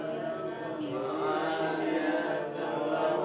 ya ampun ya mas